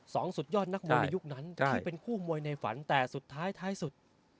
สุดยอดนักมวยในยุคนั้นที่เป็นคู่มวยในฝันแต่สุดท้ายท้ายสุด